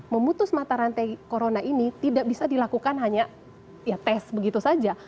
memutus mata rantai corona ini tidak bisa dilakukan hanya ya tes begitu saja